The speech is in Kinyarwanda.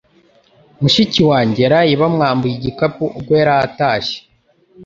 Mushiki wanjye yaraye bamwambuye igikapu ubwo yari atashye